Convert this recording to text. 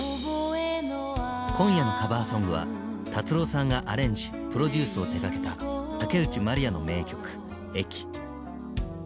今夜のＣｏｖｅｒＳｏｎｇは達郎さんがアレンジプロデュースを手がけた竹内まりやの名曲「駅」。